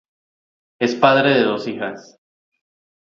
Es padre de dos hijas.